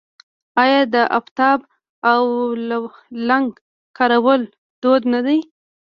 آیا د افتابه او لګن کارول دود نه دی؟